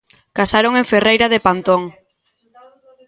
Casaron en Ferreira de Pantón.